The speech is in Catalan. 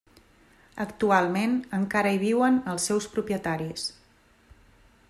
Actualment encara hi viuen els seus propietaris.